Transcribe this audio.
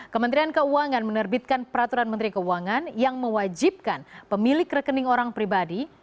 kementerian keuangan menerbitkan peraturan menteri keuangan yang mewajibkan pemilik rekening orang pribadi